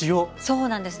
そうなんです。